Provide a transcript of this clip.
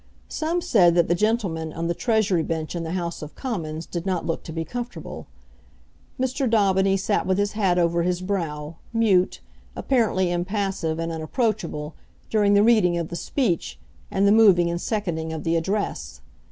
Some said that the gentlemen on the Treasury Bench in the House of Commons did not look to be comfortable. Mr. Daubeny sat with his hat over his brow, mute, apparently impassive and unapproachable, during the reading of the Speech and the moving and seconding of the Address.